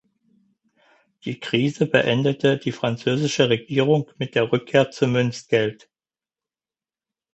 Die Krise beendete die französische Regierung mit der Rückkehr zum Münzgeld.